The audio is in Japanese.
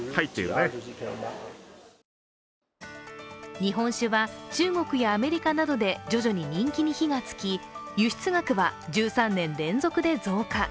日本酒は中国やアメリカなどで徐々に人気に火がつき輸出額は１３年連続で増加。